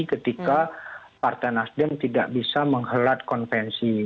ketika partai nasdem tidak bisa menghelat konvensi